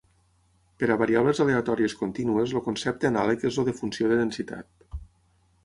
Per a variables aleatòries contínues el concepte anàleg és el de funció de densitat.